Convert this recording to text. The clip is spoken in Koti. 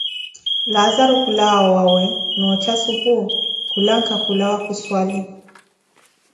Laazaru khulawa owawe, noocha supu, khu lanka koowa khu swali.